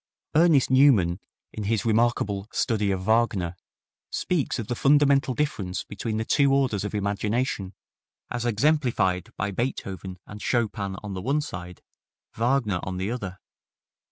Ernest Newman, in his remarkable "Study of Wagner," speaks of the fundamental difference between the two orders of imagination, as exemplified by Beethoven and Chopin on the one side, Wagner on the other.